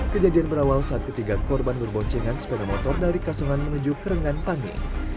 kejadian berawal saat ketiga korban berboncengan speleotop dari kasungan menuju kerengan pangi